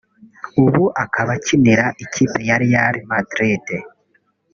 ubu akaba akinira ikipe ya Real Madrid